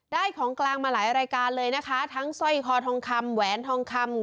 ของกลางมาหลายรายการเลยนะคะทั้งสร้อยคอทองคำแหวนทองคำ